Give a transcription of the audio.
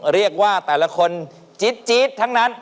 เรียกว่าแต่ละคนจี๊ดทั้งนั้น